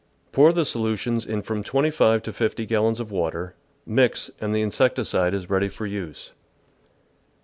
Pour the solutions in from 25 to 50 gallons of water, mix, and the insecticide is ready for use.